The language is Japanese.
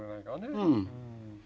うん。